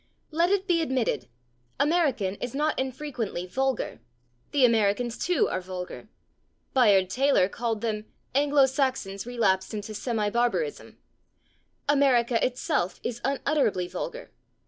Let it be admitted: American is not infrequently vulgar; the Americans, too, are vulgar (Bayard Taylor called them "Anglo Saxons relapsed into semi barbarism"); America itself is unutterably vulgar.